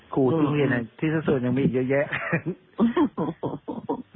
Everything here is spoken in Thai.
ครูที่นี่ที่สุดยังมีอีกเยอะแยะ